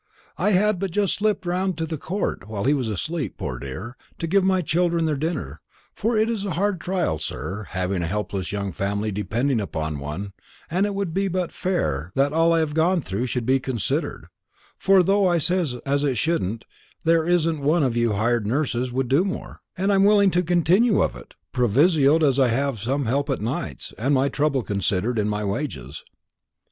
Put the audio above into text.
I had but just slipped round to the court, while he was asleep, poor dear, to give my children their dinner; for it's a hard trial, sir, having a helpless young family depending upon one; and it would but be fair that all I have gone through should be considered; for though I says it as shouldn't, there isn't one of your hired nurses would do more; and I'm willing to continue of it, provisoed as I have help at nights, and my trouble considered in my wages."